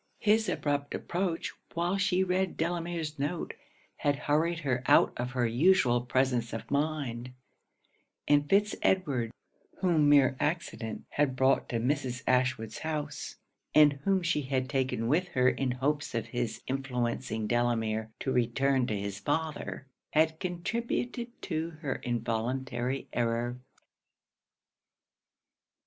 His abrupt approach while she read Delamere's note, had hurried her out of her usual presence of mind; and Fitz Edward, whom mere accident had brought to Mrs. Ashwood's house, and whom she had taken with her in hopes of his influencing Delamere to return to his father, had contributed to her involuntary error.